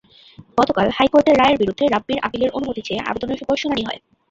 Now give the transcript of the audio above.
গতকাল হাইকোর্টের রায়ের বিরুদ্ধে রাব্বির আপিলের অনুমতি চেয়ে আবেদনের ওপর শুনানি হয়।